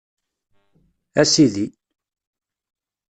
A Sidi!